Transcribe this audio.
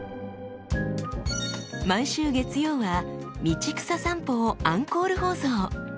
毎週月曜は「道草さんぽ」をアンコール放送。